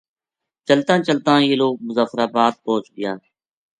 چلتاں چلتاں یہ لوک مظفرآبا د پوہچ گیا